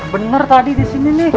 bener tadi disini nih